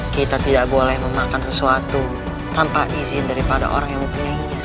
kita tidak boleh memakan sesuatu tanpa izin daripada orang yang mempunyai